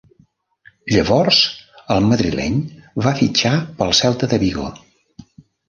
Llavors, el madrileny va fitxar pel Celta de Vigo.